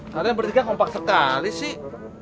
kalian berdua kompak sekali sih